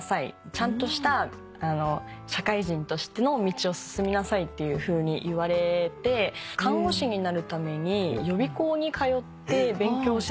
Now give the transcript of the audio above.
ちゃんとした社会人としての道を進みなさい」って言われて看護師になるために予備校に通って勉強してたことがありまして。